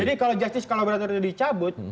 jadi kalau justice kolaborator dicabut